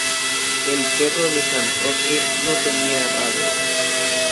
El perro de San Roque no tiene rabo